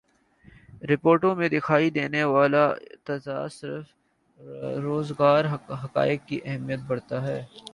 رپورٹوں میں دکھائی دینے والا تضاد صرف روزگار حقائق کی اہمیت بڑھاتا ہے